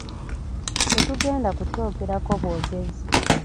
Tetugenda ku kyogerako bwogezi.